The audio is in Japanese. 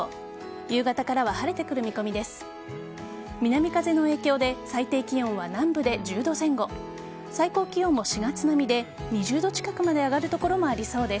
夕方からは晴れてくる見込みです。